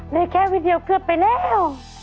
เลยแค่วิดีโอเคลือบไปแล้ว